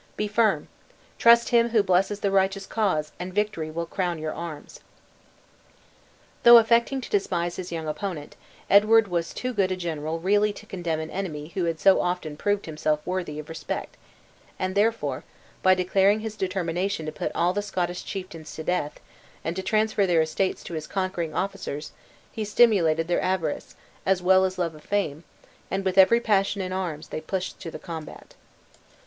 Be firm trust Him who blesses the righteous cause, and victory will crown your arms!" Though affecting to despise his young opponent, Edward was too good a general really to condemn an enemy who had so often proved himself worthy of respect; and therefore, by declaring his determination to put all the Scottish chieftains to death, and to transfer their estates to his conquering officers, he stimulated their avarice, as well as love of fame, and with every passion in arms, they pushed to the combat.